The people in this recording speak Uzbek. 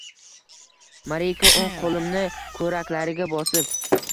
Moriko o‘ng qo‘limni ko‘raklariga bosib: